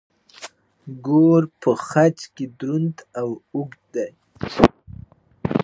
ګور په خج کې دروند او اوږد دی.